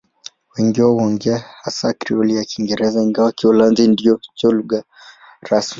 Wengi wao huongea hasa Krioli ya Kiingereza, ingawa Kiholanzi ndicho lugha rasmi.